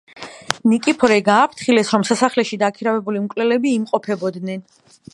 ნიკიფორე გააფრთხილეს, რომ სასახლეში დაქირავებული მკვლელები იმყოფებოდნენ.